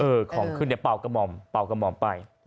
เออของขึ้นเนี่ยเปากระมอมเปากระมอมไป